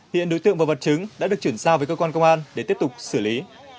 hiện đối tượng và vật chứng đã được chuyển giao với cơ quan công an để tiếp tục xử lý